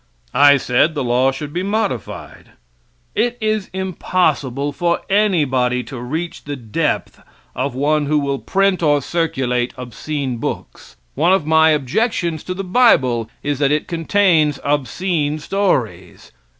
I said the law should be modified. It is impossible for anybody to reach the depth of one who will print or circulate obscene books. One of my objections to the bible is that it contains obscene stories.